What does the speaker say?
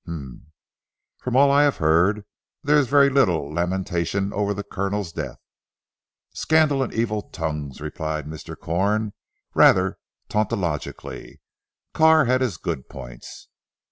"Humph! From all I have heard, there is very little lamentation over the Colonel's death." "Scandal and evil tongues," replied Mr. Corn rather tautologically, "Carr had his good points."